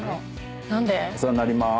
お世話になりまーす。